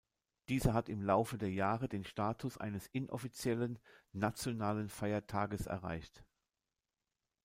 Dieser hat im Laufe der Jahre den Status eines inoffiziellen nationalen Feiertages erreicht.